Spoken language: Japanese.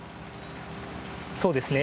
そうですね。